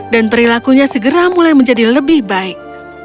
dan perilakunya segera mulai menjadi lebih baik